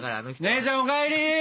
姉ちゃんお帰り！